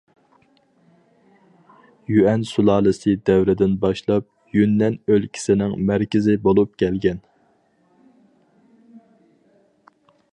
يۈەن سۇلالىسى دەۋرىدىن باشلاپ يۈننەن ئۆلكىسىنىڭ مەركىزى بولۇپ كەلگەن.